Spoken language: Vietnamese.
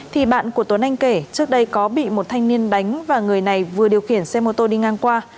thì bạn của tuấn anh kể trước đây có bị một thanh niên đánh và người này vừa điều khiển xe mô tô đi ngang qua